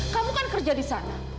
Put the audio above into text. kamu kan kerja di sana